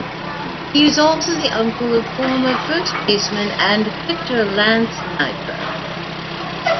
He is also the uncle of former first baseman and pitcher Lance Niekro.